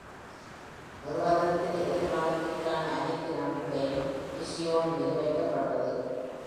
நிறுவனத்தின் எதிர்காலத்திற்கான அனைத்து நம்பிக்கையும் Visi On மீது வைக்கப்பட்டது.